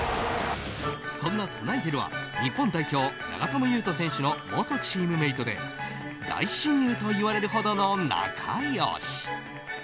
そんなスナイデルは、日本代表長友佑都選手の元チームメイトで大親友といわれるほどの仲良し。